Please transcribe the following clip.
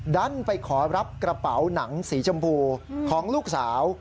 ดันไปขอรับกระเป๋าหนังสีชมพูของลูกสาว